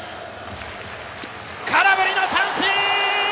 空振り三振！